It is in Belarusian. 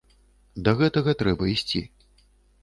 Да гэтага трэба ісці.